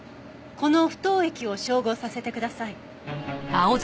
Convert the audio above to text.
この不凍液を照合させてください。